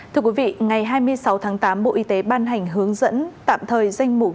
thưa quý vị ngày hai mươi sáu tháng tám bộ y tế ban hành hướng dẫn tạm thời danh mục